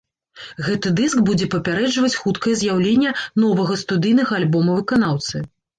Гэты дыск будзе папярэджваць хуткае з'яўленне новага студыйнага альбома выканаўцы.